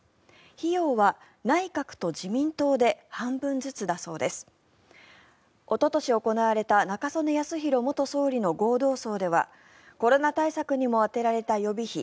費用は、内閣と自民党で半分ずつだそうです。おととし行われた中曽根康弘元総理の合同葬ではコロナ対策にも充てられた予備費